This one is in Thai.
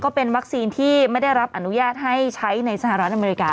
เป็นวัคซีนที่ไม่ได้รับอนุญาตให้ใช้ในสหรัฐอเมริกา